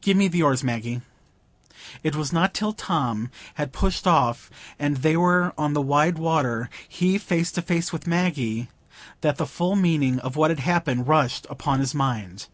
Give me the oars, Maggie." It was not till Tom had pushed off and they were on the wide water,—he face to face with Maggie,—that the full meaning of what had happened rushed upon his mind.